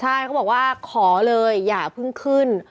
ใช่เขาบอกว่าขอเลยอย่าเพิ่งขึ้น